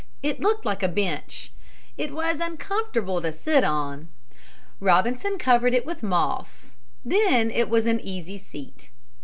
It looked like a bench. It was uncomfortable to sit on. Robinson covered it with moss. Then it was an easy seat.